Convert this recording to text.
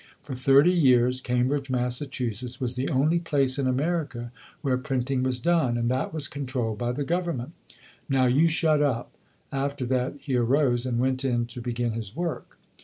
For thirty years Cambridge, Massachusetts, was the only place in America where printing was done, and that was controlled by the Government. Now, you shut up!" After that, he arose and went in to begin his work.